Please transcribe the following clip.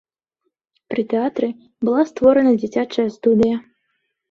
Пры тэатры была створана дзіцячая студыя.